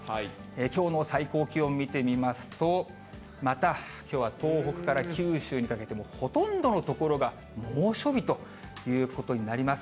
きょうの最高気温見てみますと、またきょうは東北から九州にかけて、もうほとんどの所が猛暑日ということになります。